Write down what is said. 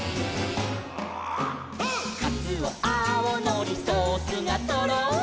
「かつおあおのりソースがとろり」